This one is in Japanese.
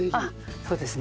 そうですね。